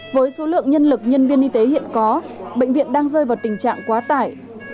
với số lượng nhân lực nhân viên y tế hiện có bệnh viện đang rơi vào tình trạng quá tải